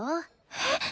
えっ！？